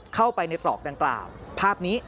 เข้าไปในปลอกดังกล่าวภาพนี้